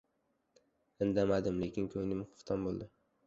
Indamadim. Lekin ko'nglim xufton bo‘ldi.